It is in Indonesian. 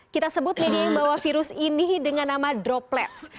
kita sebut media yang bawa virus ini dengan nama droplets